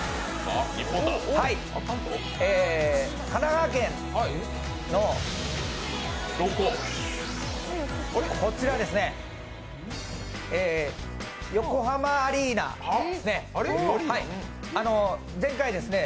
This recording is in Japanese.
神奈川県のこちらですね、横浜アリーナですね。